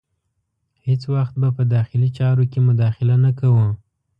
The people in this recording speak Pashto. هیڅ وخت به په داخلي چارو کې مداخله نه کوو.